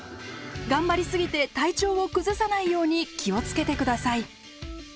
頑張りすぎて体調を崩さないように気を付けて下さい。